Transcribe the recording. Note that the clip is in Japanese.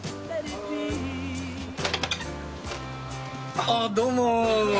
ああどうも。